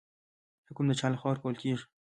حکم د چا لخوا ورکول کیږي؟